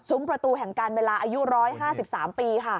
ประตูแห่งการเวลาอายุ๑๕๓ปีค่ะ